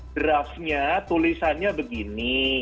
draftnya tulisannya begini